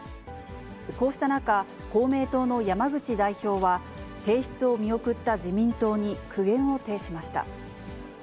こうした中、公明党の山口代表は、提出を見送った自民党に苦言を呈しました。